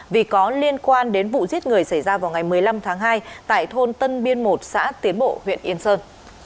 vì có liên quan đến vụ giết người xảy ra vào ngày một mươi năm tháng hai tại thôn tân biên một xã tiến bộ huyện yên sơn